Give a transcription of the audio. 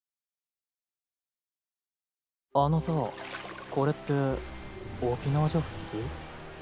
あのさこれって沖縄じゃ普通？